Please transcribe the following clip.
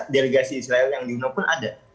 delegasi israel yang diunuh pun ada